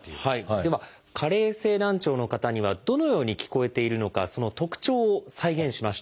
では加齢性難聴の方にはどのように聞こえているのかその特徴を再現しましたので。